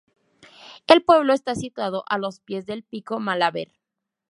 El pueblo está situado a los pies del Pico Malaver.